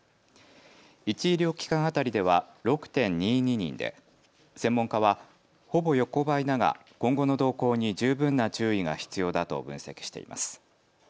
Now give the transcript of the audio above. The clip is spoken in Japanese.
１医療機関当たりでは６．２２人で専門家はほぼ横ばいだが今後の動向に十分な注意が必要だと分析しています。